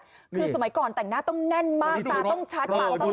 คือสมัยก่อนแต่งหน้าต้องแน่นมากตาต้องชัดปากต้อง